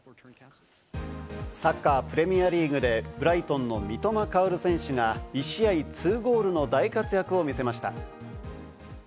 サッカー、プレミアリーグでブライトンの三笘薫選手が１試合２ゴールの大活躍を見せました。